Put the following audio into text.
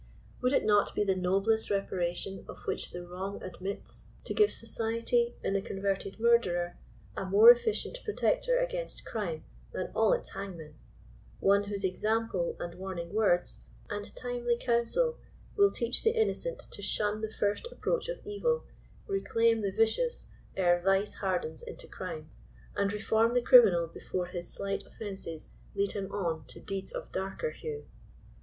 Would it not be the noblest reparation of which the wrong admits, to give society, in the converted murderer, a more efficient protector against crime than all its hangmen ; one whose example, and warning words, and timely counsel will teach the innocent to shun the first approach of evil, reclaim the vicious ere vice hardens into crime, and reform the criminal before his slight offenses lead him on to deeds of darker hue